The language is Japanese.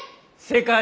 正解！